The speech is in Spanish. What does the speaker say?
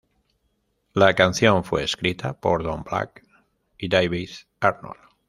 La canción fue escrita por Don Black y David Arnold.